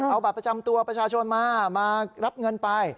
เอาบัตรประจำตัวประชาชนมามารับเงินไป